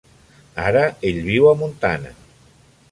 Ara ell viu a Montana.